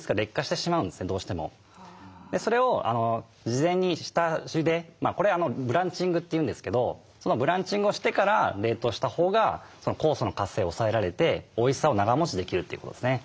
それを事前に下ゆでこれブランチングというんですけどそのブランチングをしてから冷凍したほうが酵素の活性を抑えられておいしさを長もちできるということですね。